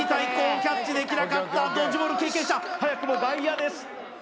キャッチできなかったドッジボール経験者早くも外野です